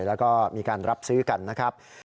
แล้วก็มีการรับซื้อกันนะครับ